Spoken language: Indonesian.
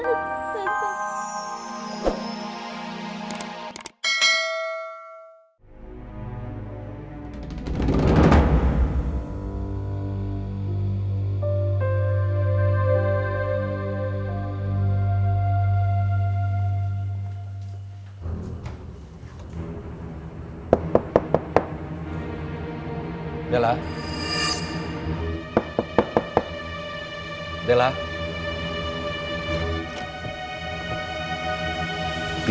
danku semua yang melihatnya